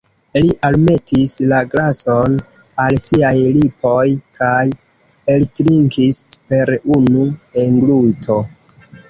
Li almetis la glason al siaj lipoj, kaj eltrinkis per unu engluto.